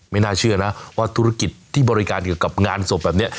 ไม่น่าเชื่อนะว่าธุรกิจที่บริการเกี่ยวกับงานศพแบบนี้